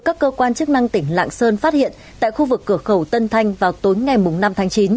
các cơ quan chức năng tỉnh lạng sơn phát hiện tại khu vực cửa khẩu tân thanh vào tối ngày năm tháng chín